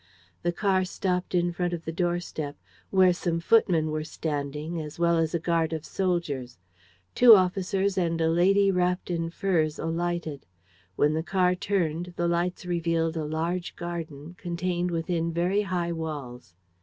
The car stopped in front of the doorstep, where some footmen were standing, as well as a guard of soldiers. Two officers and a lady wrapped in furs alighted. When the car turned, the lights revealed a large garden, contained within very high walls.